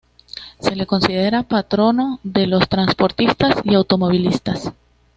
Se le considera patrono de los transportistas y automovilistas.